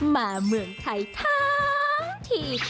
เมืองไทยทั้งที